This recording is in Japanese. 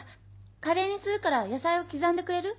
カレーにするから野菜を刻んでくれる？